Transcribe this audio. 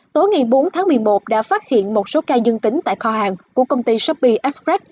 tối ngày bốn tháng một mươi một đã phát hiện một số ca dương tính tại kho hàng của công ty shopee express